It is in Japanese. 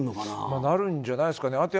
なるんじゃないですかね。